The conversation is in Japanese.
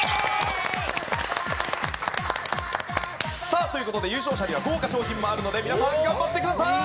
さあという事で優勝者には豪華賞品もあるので皆さん頑張ってください！